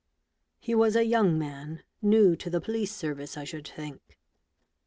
He was a young man, new to the police service, I should think.